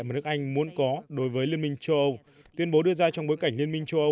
mà nước anh muốn có đối với liên minh châu âu tuyên bố đưa ra trong bối cảnh liên minh châu âu